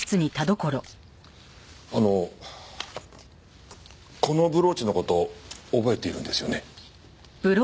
あのこのブローチの事覚えているんですよね？